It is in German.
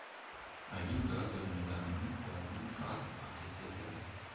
Ahimsa soll in Gedanken, Worten und Taten praktiziert werden.